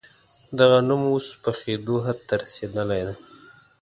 دغه نوم اوس پخېدو حد ته رسېدلی دی.